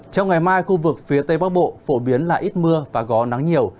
trong ngày mai khu vực phía tây bắc bộ phổ biến là ít mưa và có nắng nhiều